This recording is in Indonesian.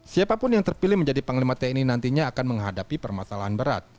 siapapun yang terpilih menjadi panglima tni nantinya akan menghadapi permasalahan berat